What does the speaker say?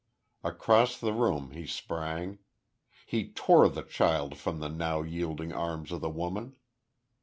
Across the room he sprang. He tore the child from the now yielding arms of the woman!